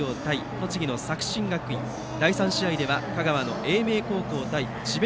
栃木の作新学院第３試合は香川の英明高校対智弁